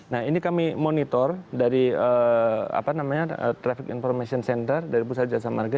nah ini kami monitor dari traffic information center dari pusat jasa marga